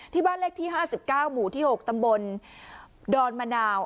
บ้านเลขที่๕๙หมู่ที่๖ตำบลดอนมะนาว